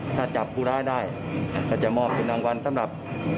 ถ้าจับผู้ร้ายได้ก็จะมอบเป็นรางวัลสำหรับ